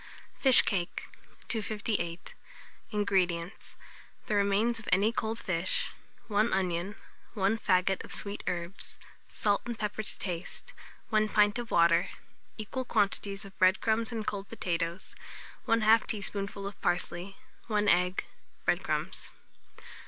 FISH CAKE. 258. INGREDIENTS. The remains of any cold fish, 1 onion, 1 faggot of sweet herbs; salt and pepper to taste, 1 pint of water, equal quantities of bread crumbs and cold potatoes, 1/2 teaspoonful of parsley, 1 egg, bread crumbs.